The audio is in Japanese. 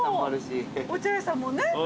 お茶屋さんもね。